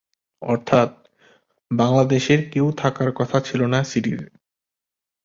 অর্থাৎ, বাংলাদেশের কেউ থাকার কথা ছিলনা সিরিজে।